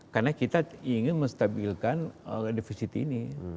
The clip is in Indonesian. karena kita ingin menstabilkan defisit ini